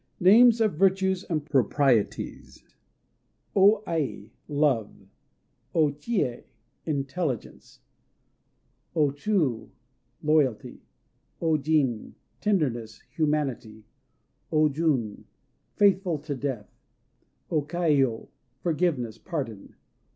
NAMES OF VIRTUES AND PROPRIETIES O Ai "Love." O Chië "Intelligence." O Chû "Loyalty." O Jin "Tenderness," humanity. O Jun "Faithful to death." O Kaiyô "Forgiveness," pardon.